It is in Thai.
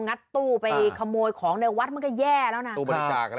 งัดตู้ไปขโมยของในวัดมันก็แย่แล้วนะตู้บริจาคอะไร